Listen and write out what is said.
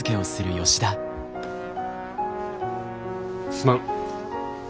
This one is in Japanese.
すまん。